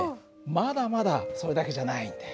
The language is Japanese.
まだまだそれだけじゃないんだよ。